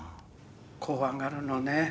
「怖がるのね。